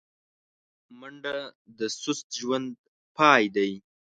منډه د سست ژوند پای دی